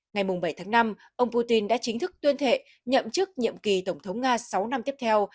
ngày bảy tháng năm ông putin đã chính thức tuyên thệ nhậm chức nhiệm kỳ tổng thống nga sáu năm tiếp theo